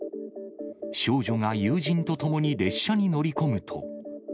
少女が友人と共に列車に乗り込むと。